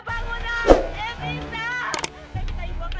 ya udah kita bisa